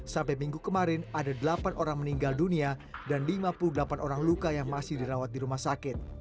sampai minggu kemarin ada delapan orang meninggal dunia dan lima puluh delapan orang luka yang masih dirawat di rumah sakit